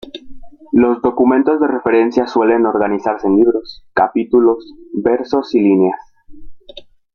Los documentos de referencia suelen organizarse en libros, capítulos, versos y líneas.